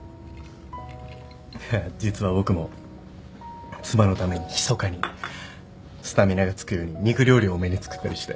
実は僕も妻のためにひそかにスタミナがつくように肉料理を多めに作ったりして。